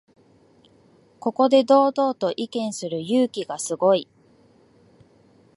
ここで堂々と意見する勇気がすごい